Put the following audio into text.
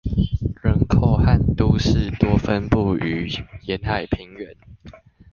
人口和都市多分布於沿海平原